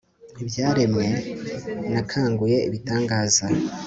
ibyaremwe nakanguye ibitangaza